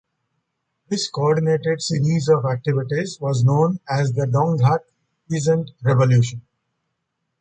This coordinated series of activities was known as the Donghak Peasant Revolution.